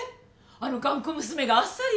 あの頑固娘があっさり？